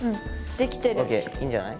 ＯＫいいんじゃない？